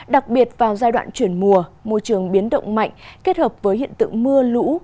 đặc biệt vào giai đoạn chuyển mùa môi trường biến động mạnh kết hợp với hiện tượng mưa lũ